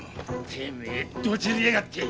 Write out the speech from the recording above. てめえトチリやがって！